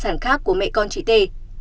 sản khác của mẹ con chị tê